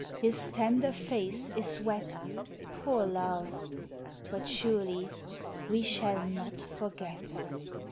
His tender face is wet, Poor Love ! But surely we shall not forget.